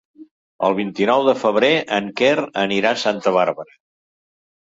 El vint-i-nou de febrer en Quer anirà a Santa Bàrbara.